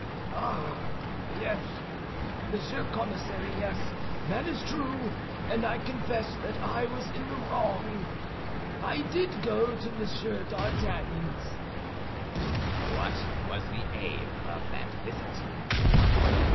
"Ah, yes, Monsieur Commissary; yes, that is true, and I confess that I was in the wrong. I did go to Monsieur d'Artagnan's." "What was the aim of that visit?"